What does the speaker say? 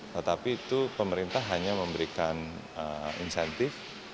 tetapi itu pemerintah hanya memberikan insentif